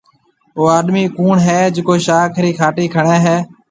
او آڏمِي ڪوُڻ هيَ جڪو شاخ رِي کهاٽِي کڻيَ هيَ۔